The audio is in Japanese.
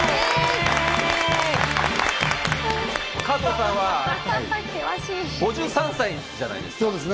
加藤さんは５３歳じゃないですか。